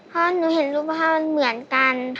เพราะหนูเห็นรูปภาพมันเหมือนกัน